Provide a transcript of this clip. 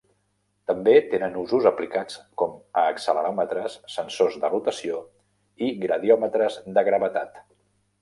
També tenen usos aplicats com a acceleròmetres, sensors de rotació i gradiòmetres de gravetat.